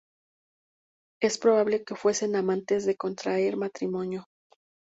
Es probable que fuesen amantes antes de contraer matrimonio.